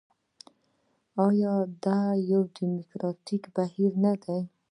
آیا دا یو ډیموکراټیک بهیر نه دی؟